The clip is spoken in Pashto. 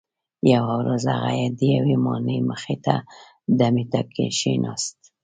یوه ورځ هغه د یوې ماڼۍ مخې ته دمې ته کښیناست.